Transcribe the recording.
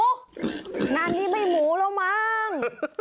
งานนี้ไม่หมูแล้วมั้ง